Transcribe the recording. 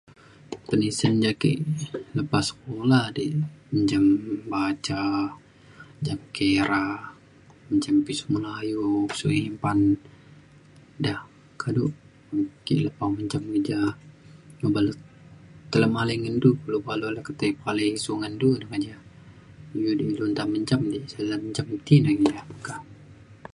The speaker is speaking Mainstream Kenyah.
penisen ja' ake lepa sekula dik, encam baca, ncam kira, ncam pisu melayu, pisu iban da. kaduk ake lepa mencam keja oban le tai le malai ngan du kulu baluk le ketai pekalai isu ngan du ne keja. iu ilu de nta mencam dik sek le mencam ti ne ja meka.